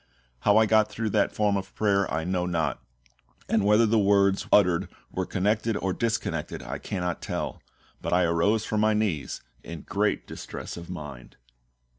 How I got through that form of prayer I know not, and whether the words uttered were connected or disconnected I cannot tell; but I arose from my knees in great distress of mind.